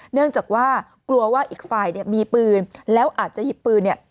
เนื่องจากว่ากลัวว่าอีกฝ่ายเนี่ยมีปืนแล้วอาจจะหยิบปืนเนี่ย